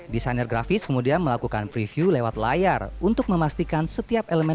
desainer grafis kemudian melakukan preview lewat layar untuk memastikan setiap elemen